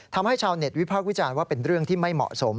ทำให้ชาวเน็ตวิพากษ์วิจารณ์ว่าเป็นเรื่องที่ไม่เหมาะสม